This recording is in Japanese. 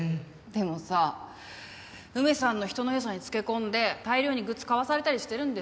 でもさ梅さんの人の良さにつけ込んで大量にグッズ買わされたりしてるんでしょ？